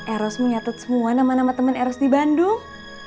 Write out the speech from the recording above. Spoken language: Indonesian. eros menyatut semua nama nama teman eros di bandung